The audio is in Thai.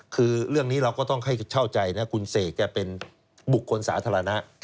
คือเรื่องนี้เราก็ต้องให้เข้าใจนะคุณเสกแกเป็นบุคคลสาธารณะ